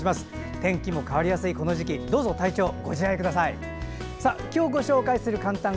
天気も変わりやすいこの時期どうぞ体調、ご自愛ください。